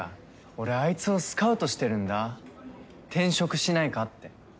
俺あいつをスカウトしてるんだ転職しないかって。